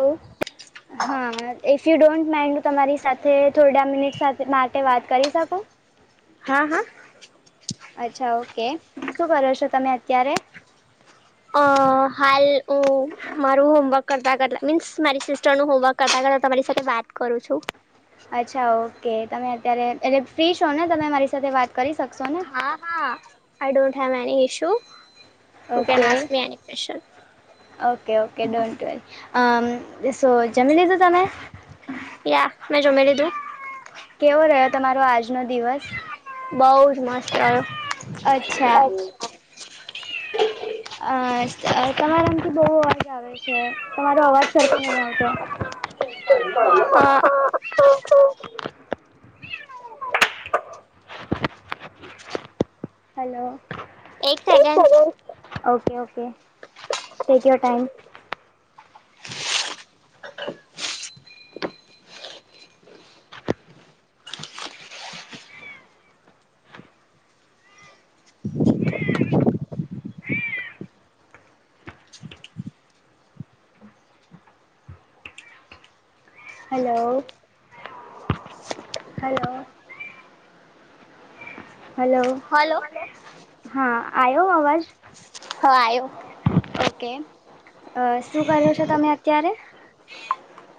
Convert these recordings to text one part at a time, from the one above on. હ હા is you don't mind તમારી સાથે થોડા મિનિટ માટે વાત કરી શકુ? હા હા. અચ્છા ઓકે શું કરો છો તમે અત્યારે? અ હાલ. ઓ મારું હોમવર્ક કરતા કરતા મીન્સ મારી સિસ્ટર નું હોમવર્ક કરતા કરતા તમારી સાથે વાત કરું છું. [inaudible] છા ઓકે તમે અત્યારે એટલે ફ્રી છો ને તમે મારી સાથે વાત કરી શ હા હા. I don't have any issue. You can okay ask me any question. Okay okay don't worry. આમ સો જમી લીધુ તમે? યા મેં જોમે લ દું. કેવો રહ્યો તમારો આજ. જજમ દિવસ. એ છે. અચ્છા અઆતમારા. બહુ અવાજ આવે છે તમારો અવાજ સરખો નથીઆવતો. હા [unintelligible] હલો. એક આવતો સેકન્ડ. ક your time. A [unintelligible] [inaudible] hello hello. Hello. Hello હા આવ્યો અવાજ. હા આવ્યો. ઓકે શું કરો છો તમે અત્યારે.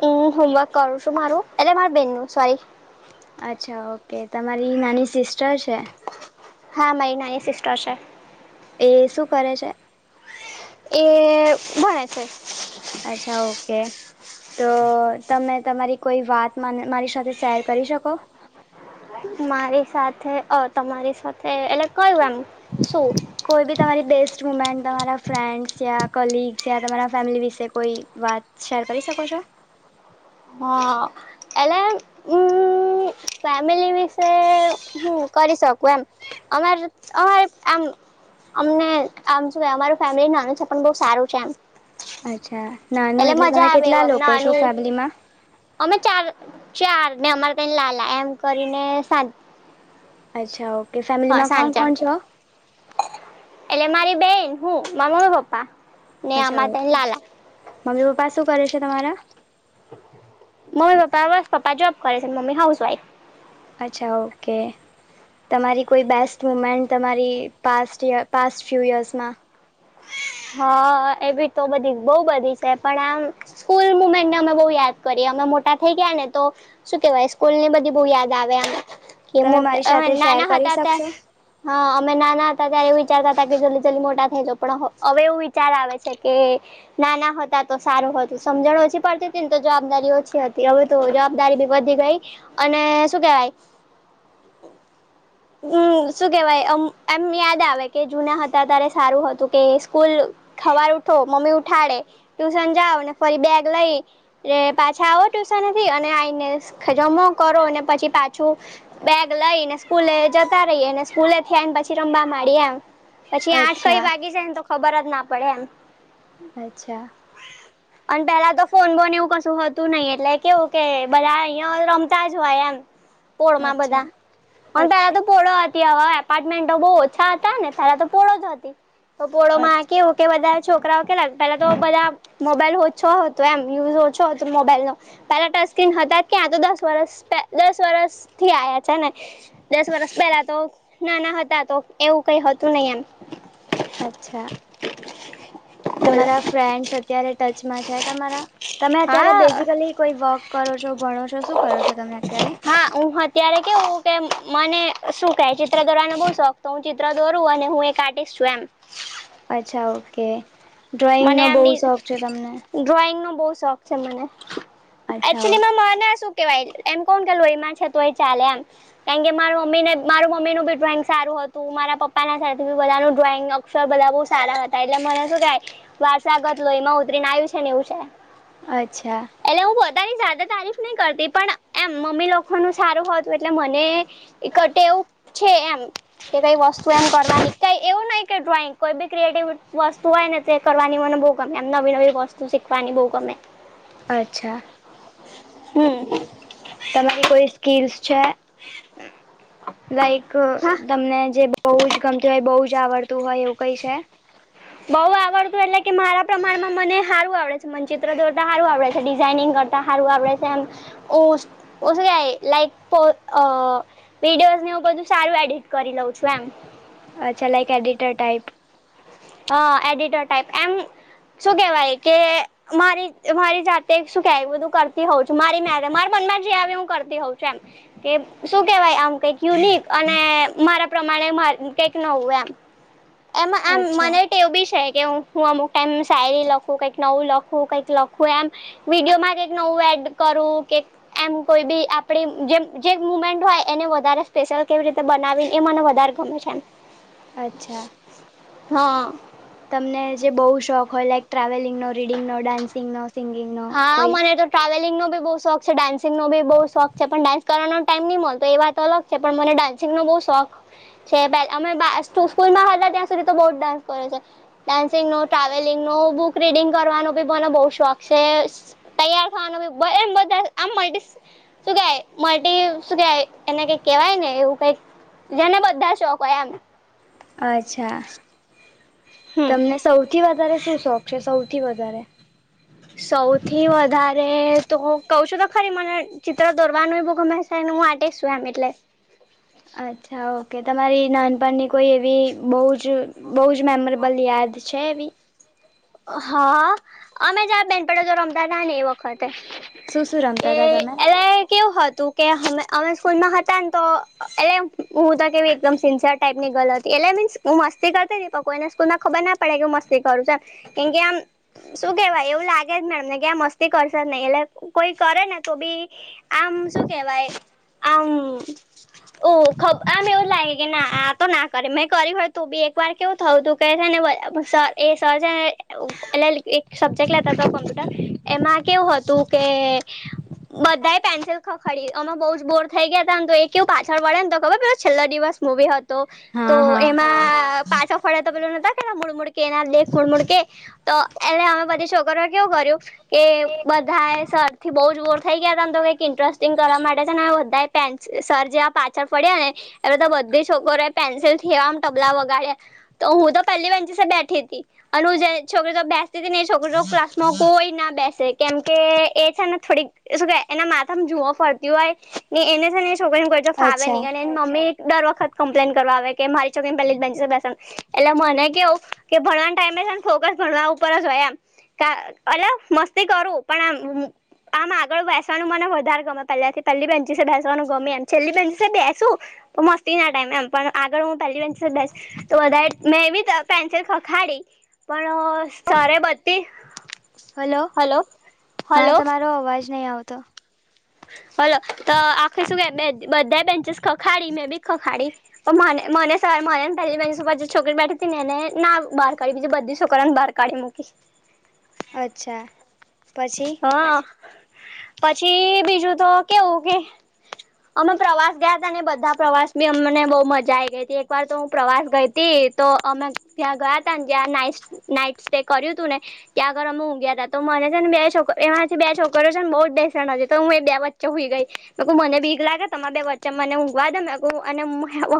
હમ હોમવર્ક કરું છું મારું એટલે માર બેનનું સોરી. અચ્છા ઓકે તમારી નાની સિસ્ટર છે. હા મહિના એ સિસ્ટર છે. એ શું કરે છે. એ ભણે છે. અચ્છા ઓકે તો તમે તમારી કોઈ વાત મારી સાથે શેર કરી શકો. મારી સાથે અ તમારી સાથે એટલે કયું એમ શું. કોઈ બી તમારી બેસ્ટ મુમેન્ટ તમારા ફ્રેન્ડસ યા કલગ્સ યા તમારા ફેમિલી વિશે કોઈ વાત શેર કરી શકો છો. હા એટલે હમ ફેમિલી વિશે હું કરી શકું એમ અમારે અમારે આમ અમને આમ શ અમાર ફેમિલી નલે છે પણ બહુ સારું છે એમ અચ્છા નાનું એટલે તમે મજા આવે કેટલા એવું અમને લોકો છો નાનું ફેમિલીમાં અમે ચાર ચાર ને અમારે એમ કરીને સા અચ્છા ઓકે કે ફેમિલી માં કોણ કોણ છો એટલે મારી બેન હું મામ્મી પપ્પા ને અચ્છા આમાં તને લાલા મમ્મી પપ્પા શું કરે છે તમાવારા મમ્મી પપ્પા બસ પપ્પા જોબ કરે છે મમ્મી હાઉસવાઈફ અચ્છા ઓકે તમારી કોઈ બેસ્ટ મુમેન્ટ તમારી પા ય પાસ્ટ ફ્યુ યર્સમાં હા એવીી તો બધી બહ બધી છે પણ આમ સ્કૂલ મુમેન્ટને અમે બહુ યાદ કરીએ અમે મોટા થઇ ગયા ને તો શું કેવાય સ્કૂલ ની બધી બહુ યાદ આવે અ એ તમે મોટા મારી અ સાથે શેર નાના કરી હતા ત શકશો હા અમે નાના હતા ત્યારે એ વિચારતા હતા કે જલ્દી જલ્દી મોટા હ જોપડા હવે એવું વિચાર આવે છે કે નાના હતા તો સારું હતું સમજણ ઓછી પડતી હતી ને તો જવાબદારી ઓછી હતી હવે તો જવાબદારી બી વધી ગઈ અને શું કેવાય હમ શું કેવાય એમ યાદ આવે કે જૂના હતા તારે સારું હતું કે સ્કૂલ ખવાર ઉઠો મમ્મી ઉઠાડે ટ્યુશન જાાવને ફરી બેગ લઈ પાછા આવો ટ્યુશનથી અને આઈને જમો કરો અને પછી પાછું બેગ લઈને સ્કૂલે જતા રહી અને સ્કૂલે થયા ને પછી રમવા ડી એમ પછી આઠ અચ્છા કઈ વાગી જાય ને તો ખબર જ ના પડે એમ અચ્છા અને પેલા તો ફોન બોન એવું કશું હતું નહિ એટલે કેવું કે બધા અહિયાં રમતા જ હોય એમ પોળમાં અચ્છા બધા અચ્છા પણ પેલા તો અચ્છા પોળો હતી હવા એપાર્ટમેન્ટો બહ ઓછા હતા ને સારા તો પડો જ હતી પોળો વ કે બધારે છોકરાઓ કેલા પેલા તો બધા મોબાઈલ ઓછો હતો એમ યુઝ ઓ છો તો મોબાઈલ નો પેલા ટચ સ્ક્રીન હતા જ ક્યાં તો દસ વર્સ દસ વરષથી આવ્યા છે ને દસ વરસ પહેલા તો નાના હતા તો એવું કઈ હતું નહિ એમ અચ્છા બોલો તમારા ફ્રેન્ડ્સ અત્યારે ટચમાં છે તમારા તમે અત્યારે હા બેઝિકલી કોઈ વોક કરો છો ભણો છો શું કરો છો તમને અત્યારે હા હું અત્યારે કેવું કે મને શું કેહે ચિત્ર દોરવાનો બ શોખ તો હું ચિત્ર દોરું અને હું એક આર્ટસ્ટ છું એમ અચ્છા ઓકે ડ્રોઈંગનો મને આમ બહુ શોખ છે તમને ડ્રોઈંગનો બહુ શોખ છે મને અચ્છા ઓકે. એક્યુઅલી માને સુું કેવાય એમ કોણ કેલું એમાં છતું એ ચાલે એમ કારણ કે માર મમ્મીને મારું મમ્મીનું બી ડ્રોઈંગ સારું હતું મારા પપ્પાના સાથે બી બધાનું ડ્રોઈંગ અક્ષર બધા બહુ સારા હતા એટલે મને શું કહેવાય વારસાગત લોઇ માં ઉતરીને આયું છે ને એવું છે. અચ્છા એટલે હું બધાની સાથે તારીફ નહી કરતી પણ એમ મમ્મી લોકોનું સારું હોતું એટલે મને કટેઉપ છે એમ કે કઈ વસ્તુ એમ કરવાની કઈ એવું નહી કે ડ્રોઈંગ કોઈ બી ક્રિએટિવ વસ્તુ હોય ને કરવાની મને બો ગમે એમ નવી નવી વસ્તુ શીખવાની બો ગમે. અચ્છા. હમ. તમારી કોઈ સ્કીલ્સ છે? લાઈક અ હા તમને જે બહુ જ ગમતી હોય બહુ જ આવડતું હોય એવું કઈ છે? બઉ આવડતું એટલે કે મારા પ્રમાણમાં મને હારું આવડે છે મનચિત્ર દોરતા હારું આવડે છે ડિઝઇનિંગ કરતા હારું આવડે છે એમ ઓસ ઓસ ગાય લાઈક વિડીયોઝ ને એવું સારું એડિટ કરી લઉં છું એમ. અચ્છા લાઈક એડિટર ટાઈપ. હા, એડિટર ટાઈપ એમ શું કેવાય કે મારી મારી જાતે શું કેવાય બધું કરતી હોઉ છું મારી મેરે મારા મનમાં જે આવે હું કરતી હોઉં છું એમ કે શું કેવાય આમ કંઈક યુનિક અને મારા પ્રમાણે માર કંઈક નવું એમ. એમાં આમ અચ્છા મને ટેવ બી છે એક કે હું-હું અમુક ટાઈમ શાયરી લખું, કંઈક નવું લખું કંઈક લખું એમ વિડીયોમાં કંઈક નવું એડ કરું કેક, એમ કોઈ બી આપણી જેમ જે મુમેન્ટ હોય એને વધારે સ્પેશિયલ કેવી રીતે બનાવી એ મને વધારે ગમે છે એમ. અચ્છા. હા. તમને જે બઉુ શોખ હોય લાઈક ટ્રાવેલિંગનો, રીડિંગનો, ડાન્સિંગનો સિંગિંગનો હા, કોઈ મને તો ટ્રાવેલિંગ નો બી બહું શોખ છે, ડાન્સિંગ નો બી બોઉ શોખ છે, પણ ડાન્સ કરવાનો ટાઈમ ની મલતો એ વાત અલગ છે, પણ મને ડાન્સિંગ નો બોઉ શોખ છે, બેલ અમે બા સ સ્કૂલમાં હતા ત્યાં સુધી તો બઉં જ ડાન્સ કર્યો છે. ડાન્સિંગ નો, ટ્રાવેલિંગ નો, બુક રીડિંગ કરવાનો બી મને બઉ શોખ સે, તૈયાર થવાનું બી એમ બધા આમ મલ્ટીશ શું કેવાય મલ્ટી શું કેવાય એને કંઈક કેવાય ને એવું કંઈક જેને બધા શોખ હોય એમ. અચ્છા. હમ તમને સૌ થી વધારે શું શોખ છે, સૌથી વધારે? સૌથી વધારે તો કઉ છું તો ખરી મને ચિત્ર દોરવાનું એ બહું ગમે છે ને હું આર્ટિસ્ટ છું એમ એટલે. અચ્છા, ઓકે. તમારી નાનપણની કોઈ એવી બઉજ જ બહુ જ મેમોરેબલ યાદ છે એવી? હા, અમે જ્યારે બેનપણી જોડે રમતા હતા ને એ વખત. શું શું તે રમતા હતા એ તમે? એલે કેવું હતું કે હમે અમે સ્કૂલમાં હતા ને તો એટલે હું તો કેવી એકદમ સિન્સિયર ટાઈપની ગર્લ હતી, એટલે મીન્સ હું મસ્તી કરતી તી પણ કોઈ ને સ્કૂલમાં ખબર ના પડે કે હું મસ્તી કરું છું એમ. કેમકે આમ શું કેવાય એવું લાગે જ નહીં મેડમને કે આ મસ્તી કરશે જ નહી, એટલે કોઈ કરે ને તો બી આમ શું કેવાય આમ ઓ ખબ આમ એવું લાગે કે ના આ તો ના કરે, મે કર્યું હોય તો બી એક વાર કેવું થયું તું કે છે ને વ ભ સર એ સર છે ને અહ એટલે એક સબ્જેક્ટ લેતા તા કોમ્પ્યુટર, એમાં કેવું હતું કે બધા એ પેન્સિલ ખખડી, અમે બહુ જ બોર થઈ ગયા તા ને તો એ કેવું પાછળ વાળા એન તો ખબર પેલો છેલ્લો દિવસ મૂવી હત તો તો હા હા એમાં પાછ ફરે તો પેલું નતા કેતા મૂડ-મૂડ કે ના દેખ મૂડ-મૂડ કે તો એટલે અમે બધી છોકરીઓએ કેવું કર્યું કે બધાએ સર થી બહું જ બોર થઈ ગયા તા ને તો કઈક ઇન્ટરસ્ટિંગ કરવા માટે છે ને બધા પેન્સ સર જેવા પાછળ ફર્યા ને એવે તો બધી છોકરીઓએ પેન્સિલથી આમ તબલા વગાડ્યા, તો હું તો પેલી બેન્ચિસે બેઠી તી. અને હું જે છોકરી તો બેસતી તી ને એ છોકરી જોડે ક્લાસમાં કોઈ ના બેસે, કેમકે એ છે ને થોડીક શું કેવાય એના માથામાં જુષઓ ફરતી હોય, ને એને છે ને છોકરી ને કોઈ જોડ ફાવે અચ્છા નહિં. અને એન મમ્મી દર વખત કમ્પ્લેન કરવા આવે કે મારી છોકરીને પેલી જ બેંચે બેસાડવાનું, એટલે મને કેવું કે ભણાવ તા એમને છે ને ફોકસ ભણવા ઉપર જ હોય એમ, કા અલે મસ્તી કરું પણ આમ-આમ આગળ બેસવાનું મને વધારે ગમે પહેલાથી પહેલી બેન્ચિસે બેસવાનું ગમે એમ, છેલ્લી બેન્ચિસે બેસુ તો મસ્તી ના ટાઈમે એમ, પણ પણ આગળ હું પહેલી બેન્ચિસે બેસ તો વધારે મેં બી ત પેન્સિલ ખખાડી પણ સરએ બધી હલો, હા હલો તમારો અવાજ નહી આવતો. હલો. તો આખી શું કે બે બધાય બેન્ચિસ ખખાડી, મે બી ખખાડી, પણ મને મને સર મન ને પેલી બેન્ચિસ ઉપર જે છોકરી બેઠી તી ને એને ના બહાર કાઢી, બીજી બધી છોકરીઓને બહાર કાઢી મૂકી. અચ્છા. પછી હા. પછી બીજું તો કેવું કે અમે પ્રવાસ ગયા ને બધા પ્રવાસ બી અમને બહુ મજા આઈ ગઈ હતી એક વાર તો હું પ્રવાસ ગઈ હતી તો અમે ત્યાં ગયા ત ને જ્યાં નાઈ નાઈટ સ્ટે કર્યું તું ને ત્યાં આગળ અમે ઊંઘયા તા તો મને છે ને બેસ્ટ છોક એમાંથી બે છોકરીઓ છે ને બઉ જ બેસેણ હતી તો હું એ બે વચ્ચે હઈ ગઈ મે મને બ ભીક લાગે તમા બે વચ્ચે મને ઊંઘવા દ અને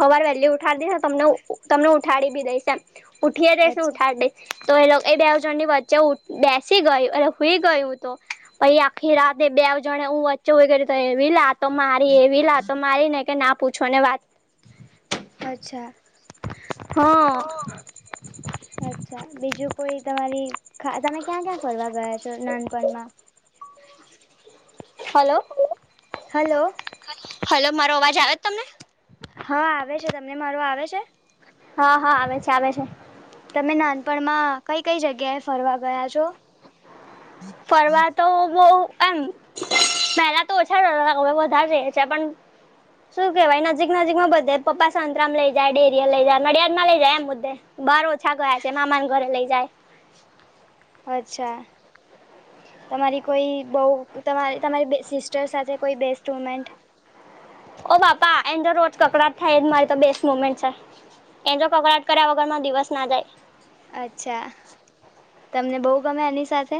હવાર વહેલી ઉઠાડી દઈશ તમને તમને ઉઠાડી બી દઈશ એમ ઉઠી દઈ ને અચ્છા ઉઠા દઈશ તો એ લોકો એ બેજણ ની વચ્ચે બેસી ગયું અને હઈ ગયું તો પછીઆખી રાતે બે જણે હું વચ્ચે કરી એવી લ તો મારી એવી લાતો મારી ન કે ના પૂછો ને વાત અચ્છા હા અચ્છા બીજું કોઈ તમારી ા તમે ક્યાં ક્યાં ફરવા ગયા છો નાનપણમાં હલો હલો હલો મારો અવાજ જાવ તમે હા આવે છે તમને મારો આવે છે હા હા આવે છે આવે છે પમાં કઈ કઈ જગ્યાએ ફરવા ગયા છો પવા તો બો એમ પહેલા તો ઓછા વધારે છે પણ શું કેવાય નજીક નજીક માં બધે પપ્પા સંતરામાં લઈ જાય ડેરી લઈ જાય મરિયાદમાં લઈ જાય એમ મુદ્દે બહાર ઓછા ગયા છે મામાને ઘરે લઈ જાય અચ્છા તમારી કોઈ બહ તમારી તમારી સિસ્ટર સાથે કોઈ બેસ્ટ મુમેન્ટ ઓ બાપા એ જો રોજ કકડાટ થાય મારી તો બેસ્ટ મુમેન્ટ છે એને જો કકડાટ કર્યા વગર મા દિવસ ના જાય અચ્છા તમને બહુ ગમે એની સાથે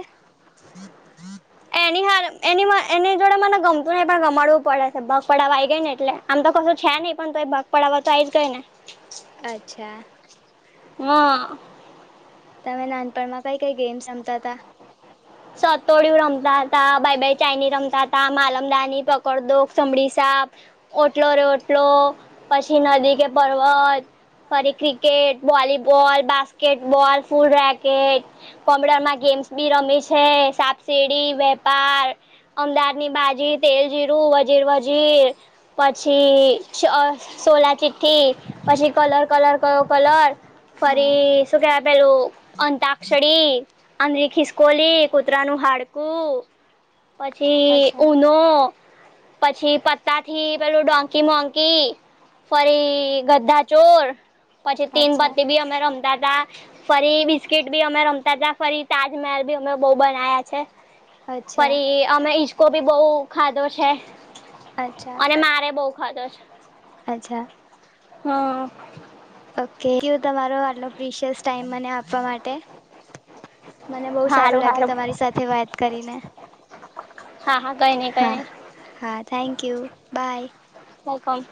એની હ એની એની જોડે મને ગમતું નહી પણ ગમાડવું પડે છે ભગ પડવા આવી ગઈ ને એટલે આમ તો કશું છે નહીં પણ તો એ ભગ પડાવવા તો આ આવી જ ગઈ ને અચ્છા ના તમે નાનપણમાં કઈ કઈ ગેમસ રમતા હતા સતોડિું રમતા હતા ભાઈ ભાઈ ચાઈની રમતા હતા માલમદાની પકડ દોખ સમડી સાપ ઓટલો ર ઓટલો પછી નદી કે પર્વત ફરી ક્રિકેટ વોલીબોલ બાસ્કેટબોલ ફૂલ રેક કે કોમ્પ્યુટર માં ગેમ્સ બી રમે છે છે સાપસીીડી વેપાર અમદાદની બાજી તેલજીીરું વજીર વજીર પછી સોલા ચિઠ્ઠી પછી કલર કલર ક કલર હા ફરી શું કે બેરોું અંતાક્ષરી અંદરી ખીસકોલી કુતરાનુંું હાડકું પછી અચ્છા ઉનો પછી પત્તા થી પેલું ડોંકી મોંકી ફરી ગ્ધા ચોર પછી તીન અચ્છા બતી બી અમે રમ ફરી બિસ્કીટ બી અમે રમતા તા ફરી તાજમહેલ ભી અમે બહુ બના્યા છે. અચ્છા ફરી અમે ઈ કો બી બહુ ખાધો છે. અચ્છા અને મારે બો ખાધો છે. અચ્છા! હા. ઓકે [unintelligible] કયું તમારો આટલો પ્રિશિયસ ટાઈમ મને આપવા માટે. મને બૌ સારું હારું લાગ્યું હારું તમારી સાથે વાત કરીને હા હા કઈ નઈ કઈ હા નઈ હા થેન્કયુ બાય. વેલકમ